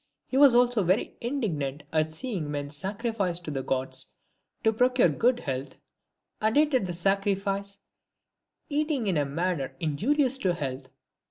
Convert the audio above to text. He was also very indignant at seeing men sacrifice to the Gods to procure good health, and yet at the sacrifice eating in a manner injurious to health.